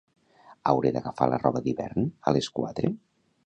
Hauré d'agafar la roba d'hivern a les quatre?